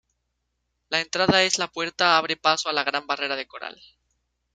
La entrada es la puerta abre paso a la Gran Barrera de Coral.